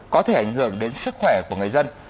có thể ảnh hưởng đến sức khỏe của người dân